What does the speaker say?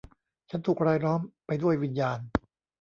ฉันถูกรายล้อมไปด้วยวิญญาณ